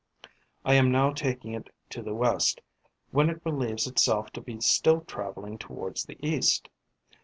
I am now taking it to the west, when it believes itself to be still travelling towards the east.